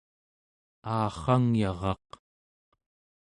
aarrangyaraq